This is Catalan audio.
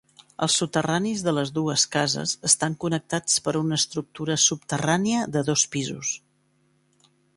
Els soterranis de les dues cases estan connectats per una estructura subterrània de dos pisos.